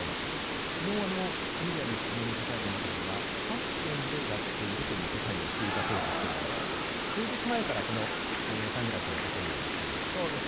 昨日メディアの質問に答えた中ではファッションでやっているという答えをしていたそうですけれども数日前からこのサングラスをかけるようにしているそうです。